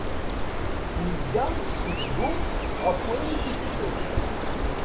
Nezga nesnezgum ɣef wayen i d-iteddun.